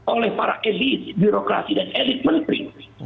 oleh para elit birokrasi dan elit menteri